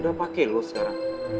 udah pake lo sekarang